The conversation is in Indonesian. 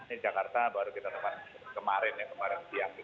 ini di jakarta baru kita tempatkan kemarin ya kemarin siang gitu